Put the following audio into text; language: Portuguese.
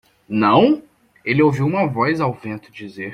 "Não?" ele ouviu uma voz ao vento dizer.